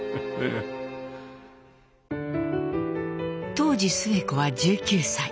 当時スエ子は１９歳。